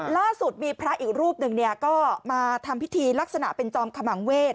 ล่าสุดมีพระอีกรูปหนึ่งก็มาทำพิธีลักษณะเป็นจอมขมังเวศ